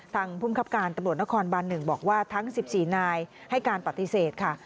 ภูมิครับการตำรวจนครบัน๑บอกว่าทั้ง๑๔นายให้การปฏิเสธค่ะ